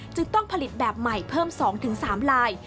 จึงต้องผลิตแบบใหม่เพิ่ม๒๓ลาย